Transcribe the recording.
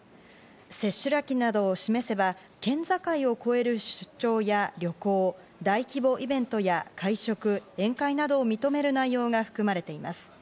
接種歴などを示せば県境を越える出張や旅行、大規模イベントや会食、宴会などを認める内容が含まれています。